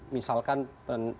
misalkan pencegahan hukum